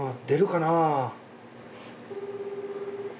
出るかな？